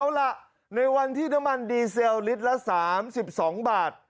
เอาล่ะในวันที่น้ำมันดีเซลลิตรละสามสิบสองบาท